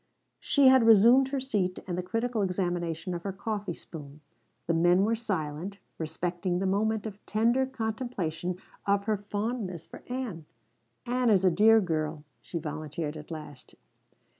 She had resumed her seat and the critical examination of her coffee spoon. The men were silent, respecting the moment of tender contemplation of her fondness for Ann. "Ann is a dear girl," she volunteered at last.